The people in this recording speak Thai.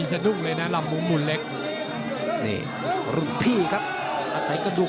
ยังเดินเข้าหายังสูงบนคณุนหินอยู่